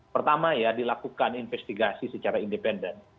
pertama ya dilakukan investigasi secara independen